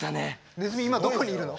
ねずみ今どこにいるの？